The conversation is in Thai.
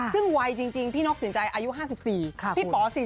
ซึ่งวัยจริงพี่นกสินใจอายุ๕๔พี่ป๔๔